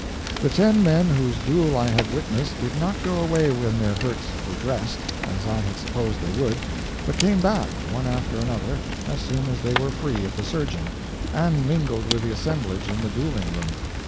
The ten men whose duels I had witnessed did not go away when their hurts were dressed, as I had supposed they would, but came back, one after another, as soon as they were free of the surgeon, and mingled with the assemblage in the dueling room.